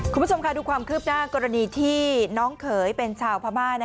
คุณผู้ชมค่ะดูความคืบหน้ากรณีที่น้องเขยเป็นชาวพม่า